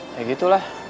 ya gitu lah